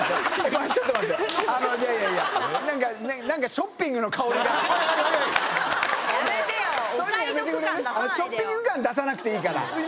ショッピング感出さなくていい。